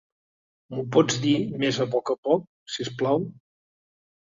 M'ho pots dir més a poc a poc, sisplau?